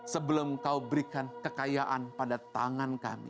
sebelum kau berikan kekayaan pada tangan kami